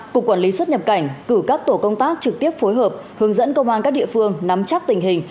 cục quản lý xuất nhập cảnh cử các tổ công tác trực tiếp phối hợp hướng dẫn công an các địa phương nắm chắc tình hình